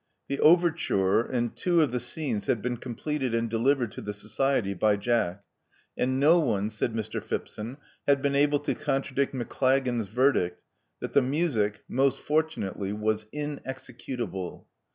The overture and two of the scenes had been completed and delivered to the society by Jack; and no one, said Mr. Phipson, had been able to contradict Maclagan's verdict that the music, most fortunately, was inexecutable."